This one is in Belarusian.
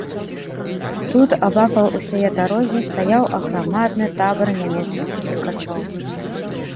Тут, абапал усяе дарогі, стаяў аграмадны табар нямецкіх уцекачоў.